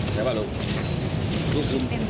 ก็รู้